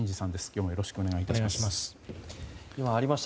今日もよろしくお願い致します。